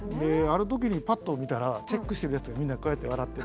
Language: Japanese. ある時にパッと見たらチェックしてるやつがみんなこうやって笑って。